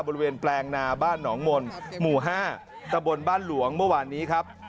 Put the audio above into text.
บริเวณแปลงนาบ้านหนองมนต์หมู่๕ตะบนบ้านหลวงเมื่อวานนี้ครับ